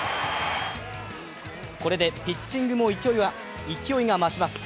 これでピッチングも勢いが増します。